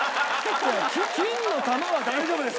金の玉は大丈夫ですから。